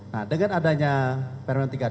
nah dengan adanya permen tiga puluh dua